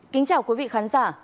kính chào quý vị khán giả